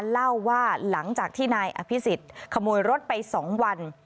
เล่าว่าหลังจากที่นายอภิษฎขโมยรถไป๒วัน